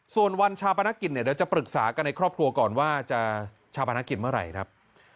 ส่วนวันชาปนกิจเนี่ยเดี๋ยวจะปรึกษากันในครอบครัวก่อนว่าจะชาวพนักกิจเมื่อไหร่ครับ